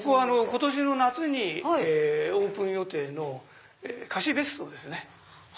今年の夏にオープン予定の貸し別荘ですね。